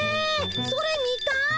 それ見たい。